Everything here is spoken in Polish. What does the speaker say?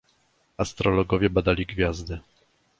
"Astrologowie badali gwiazdy."